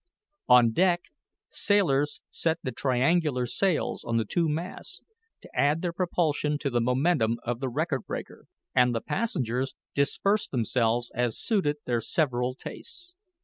On deck, sailors set the triangular sails on the two masts, to add their propulsion to the momentum of the record breaker, and the passengers dispersed themselves as suited their several tastes.